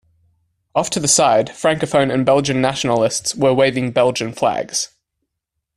Off to the side, Francophone and Belgian nationalists were waving Belgian flags.